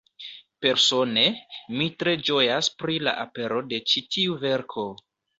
Persone, mi tre ĝojas pri la apero de ĉi tiu verko.